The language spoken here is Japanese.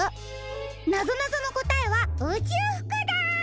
なぞなぞのこたえはうちゅうふくだ！